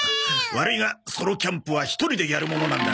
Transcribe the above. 悪いがソロキャンプは一人でやるものなんだ。